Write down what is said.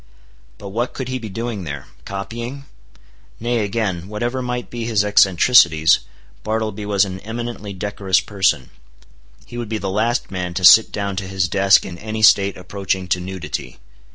But what could he be doing there?—copying? Nay again, whatever might be his eccentricities, Bartleby was an eminently decorous person. He would be the last man to sit down to his desk in any state approaching to nudity.